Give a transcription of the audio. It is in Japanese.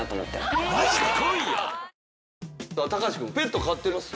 高橋くんペット飼ってます？